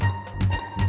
ga ada pokoknya